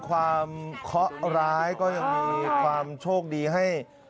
เคาะร้ายก็ยังมีความโชคดีให้